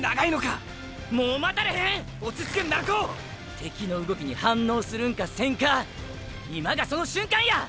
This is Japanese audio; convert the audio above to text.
敵の動きに反応するんかせんか今がその瞬間や！！